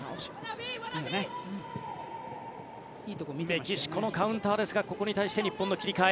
メキシコのカウンターですがここに対して日本の切り替え。